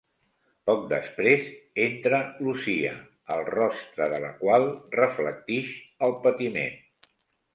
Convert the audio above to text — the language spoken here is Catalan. Poc després entra Lucia, el rostre de la qual reflectix el patiment.